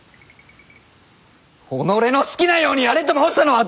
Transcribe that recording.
己の好きなようにやれと申したのは誰だ！